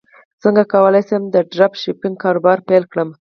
څنګه کولی شم د ډراپ شپینګ کاروبار پیل کړم